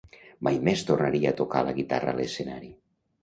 Mai més tornaria a tocar la guitarra a l'escenari.